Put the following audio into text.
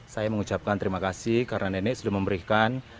saya mengucapkan terimakasih karena nenek sudah memberikan